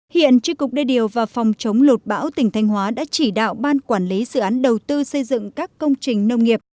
hiện tri cục đê điều và phòng chống lột bão tỉnh thanh hóa đã chỉ đạo ban quản lý dự án đầu tư xây dựng các công trình nông nghiệp